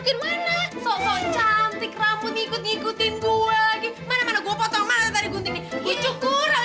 kita botakin aja kita masukin lagi ke kamar mandi